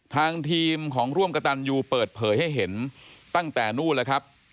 ทางทีมของร่วมกระตันยูเปิดเผยให้เห็นตั้งแต่นู่นแล้วครับ